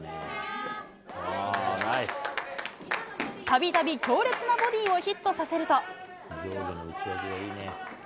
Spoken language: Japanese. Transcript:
たびたび強烈なボディーをヒットさせると。